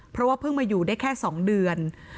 เพราะว่าเพิ่งมาอยู่ได้แค่๒เดือน